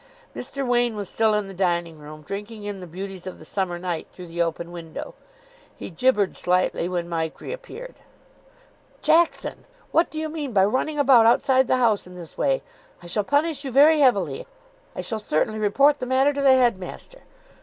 Mr. Wain was still in the dining room, drinking in the beauties of the summer night through the open window. He gibbered slightly when Mike reappeared. "Jackson! What do you mean by running about outside the house in this way! I shall punish you very heavily. I shall certainly report the matter to the headmaster.